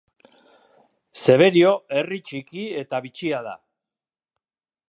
Zeberio herri txiki eta bitxia da.